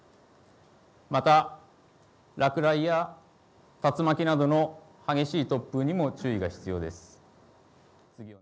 また落雷や竜巻などの激しい突風にも注意が必要です。